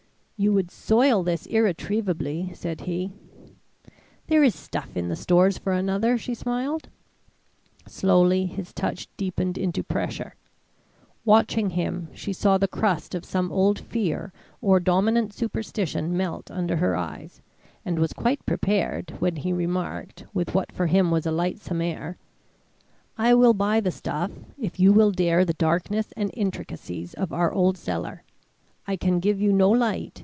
"You would soil this irretrievably," said he. "There is stuff in the stores for another," she smiled. Slowly his touch deepened into pressure. Watching him she saw the crust of some old fear or dominant superstition melt under her eyes, and was quite prepared, when he remarked, with what for him was a lightsome air: "I will buy the stuff, if you will dare the darkness and intricacies of our old cellar. I can give you no light.